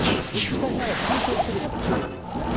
しかしながら、中長期的にはやっぱり中国なんですね。